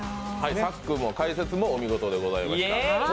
さっくんの解説もお見事でございました。